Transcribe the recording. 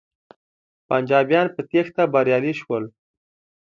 پنجابیان په تیښته بریالی شول.